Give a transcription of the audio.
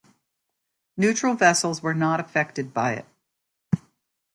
Neutral vessels were not affected by it.